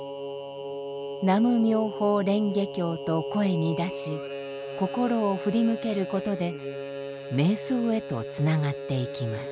「南無妙法蓮華経」と声に出し心を振り向けることで瞑想へとつながっていきます。